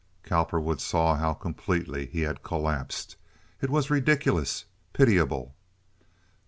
Cowperwood saw how completely he had collapsed. It was ridiculous, pitiable.